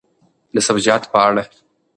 د سبزیجاتو په اړه: